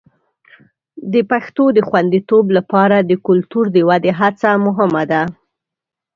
د پښتو د خوندیتوب لپاره د کلتور د ودې هڅه مهمه ده.